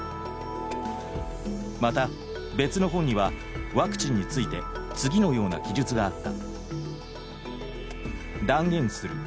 また別の本にはワクチンについて次のような記述があった。